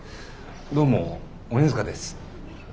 どうも鬼塚です。